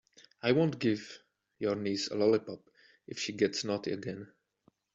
I won't give your niece a lollipop if she gets naughty again.